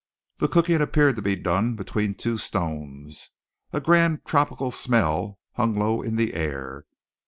The cooking appeared to be done between two stones. A grand tropical smell hung low in the air.